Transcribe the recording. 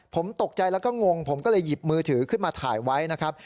ผมตกใจแล้วก็งงผมก็เลยหยิบมือถือขึ้นมาถ่ายไว้นะครับ